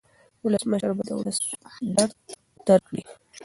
ولسمشر باید د ولس درد درک کړي.